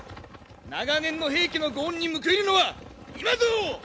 長年の平家のご恩に報いるのは今ぞ！